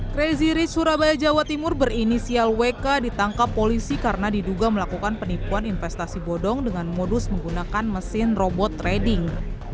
crazy rich surabaya jawa timur berinisial wk ditangkap polisi karena diduga melakukan penipuan investasi bodong dengan modus menggunakan mesin robot trading